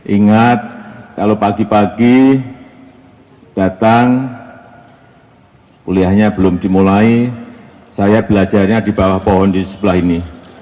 ingat kalau pagi pagi datang kuliahnya belum dimulai saya belajarnya di bawah pohon di sebelah ini